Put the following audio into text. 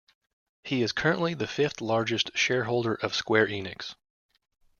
He is currently the fifth largest shareholder of Square Enix.